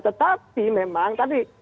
tetapi memang tadi